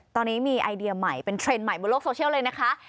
ตอนนี้มีไอเดียใหม่เป็นเทรนด์ใหม่บนโลกโซเชียลเลยนะคะ